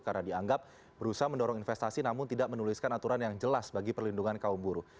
karena dianggap berusaha mendorong investasi namun tidak menuliskan aturan yang jelas bagi perlindungan kaum buruh